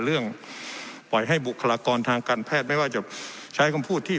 เรื่องปล่อยให้บุคลากรทางการแพทย์ไม่ว่าจะใช้คำพูดที่